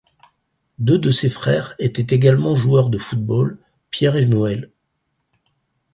Deux de ses frères étaient également joueurs de football, Pierre et Noël.